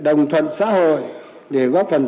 đồng thuận xã hội để góp phần